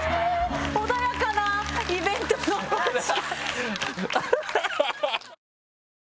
穏やかなイベントの司会。